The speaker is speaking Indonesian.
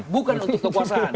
bukan untuk kekuasaan